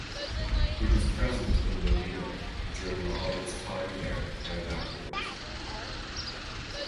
He was present in Madinah during Muhammad's time there and afterwards.